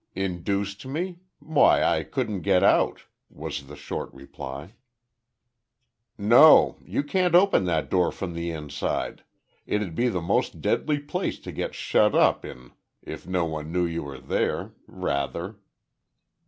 "Induced me? Why I couldn't get out," was the short reply. "No. You can't open that door from the inside. It'd be the most deadly place to get shut up in if no one knew you were there. Rather."